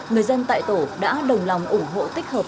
người dân tại tổ đã đồng lòng ủng hộ tích hợp